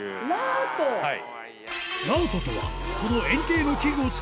はい。